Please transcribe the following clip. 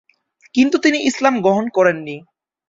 কিন্তু তিনি ইসলাম গ্রহণ করেননি।